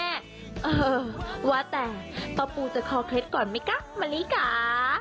เออว่าแต่ป้าปูจะคอเคล็ดก่อนไหมคะมะลิกา